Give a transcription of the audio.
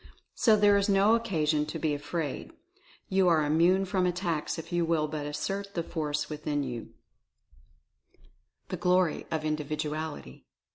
So there is no occasion to be afraid— 252 Mental Fascination you are immune from attacks if you will but assert the Force within you. THE GLORY OF INDIVIDUALITY.